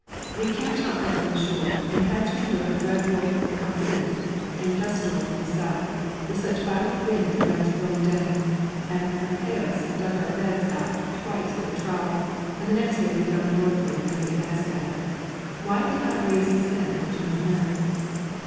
We encamped not far from the shore, and had to endure a dreadful khamsin and dust storm from the south, with such violent wind that I was blown down, and Matthaios dug our beds out twice with a trowel; and the next day we found the north wind nearly as bad. Why it did not raise the sand I do not know.